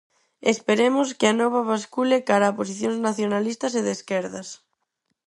Esperemos que Anova bascule cara a posicións nacionalistas e de esquerdas.